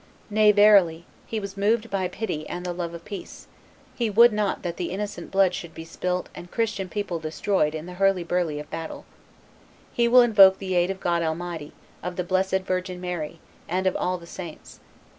Nay, verily; he was moved by pity and the love of peace; he would not that the innocent blood should be spilt and Christian people destroyed in the hurly burly of battle. He will invoke the aid of God Almighty, of the blessed virgin Mary, and of all the saints.